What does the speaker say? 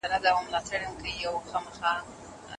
خپل لاس ګټه خوږه وي.